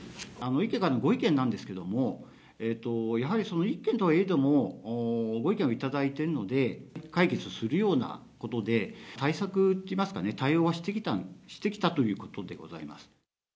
１軒からのご意見なんですけれども、やはりその１軒とはいえども、ご意見を頂いているので、解決するようなことで、対策っていいますかね、対応はしてきたということでございます。